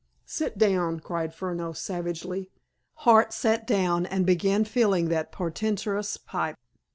"Sit down!" cried Furneaux savagely. Hart sat down, and began filling that portentous pipe.